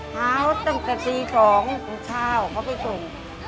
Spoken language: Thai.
หาวตั้งแต่ตี๒พรุ่งเช้าเขาไปสุด